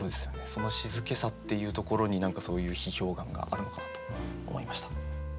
そのしずけさっていうところに何かそういう批評眼があるのかなと思いました。